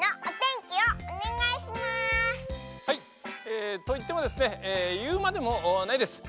えといってもですねいうまでもないです。